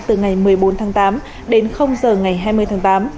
từ ngày một mươi bốn tháng tám đến giờ ngày hai mươi tháng tám